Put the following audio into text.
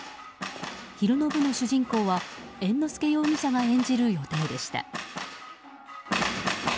昼の部の主人公は猿之助容疑者が演じる予定でした。